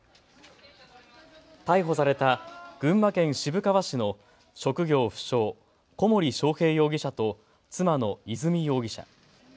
逮捕された群馬県渋川市の職業不詳、小森章平容疑者と妻の和美容疑者。